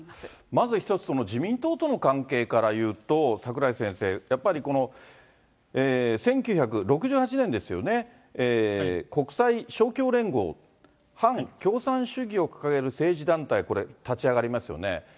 まず一つ、自民党との関係からいうと、櫻井先生、やっぱりこの１９６８年ですよね、国際勝共連合、反共産主義を掲げる政治団体、これ、立ち上がりますよね。